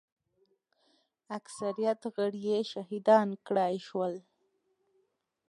اکثریت غړي یې شهیدان کړای شول.